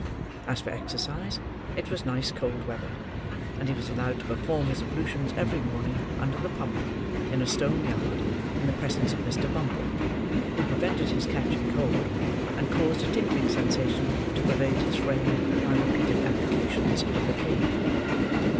As for exercise, it was nice cold weather, and he was allowed to perform his ablutions every morning under the pump, in a stone yard, in the presence of Mr. Bumble, who prevented his catching cold, and caused a tingling sensation to pervade his frame, by repeated applications of the cane.